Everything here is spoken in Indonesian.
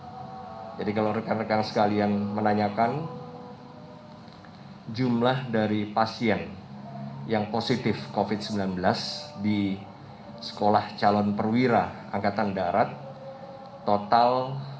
nah jadi kalau rekan rekan sekalian menanyakan jumlah dari pasien yang positif covid sembilan belas di sekolah calon perwira angkatan darat total satu dua ratus delapan puluh